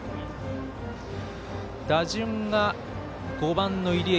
打順が５番の入江。